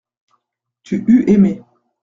Tu eus aimé.